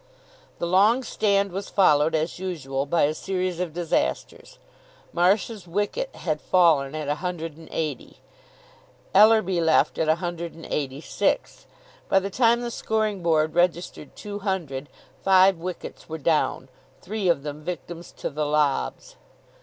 The long stand was followed, as usual, by a series of disasters. Marsh's wicket had fallen at a hundred and eighty. Ellerby left at a hundred and eighty six. By the time the scoring board registered two hundred, five wickets were down, three of them victims to the lobs.